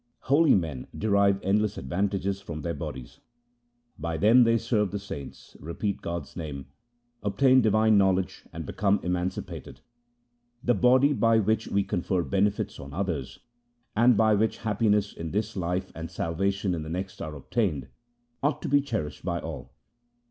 Holy men derive endless advantages from their bodies. By them they serve the saints, repeat God's name, obtain divine knowledge and become emancipated. The body by which we confer benefits on others, and by which happiness in this life and 1 Attune thy heart to divine knowledge. THE SIKH RELIGION salvation in the next are obtained, ought to be cherished by all.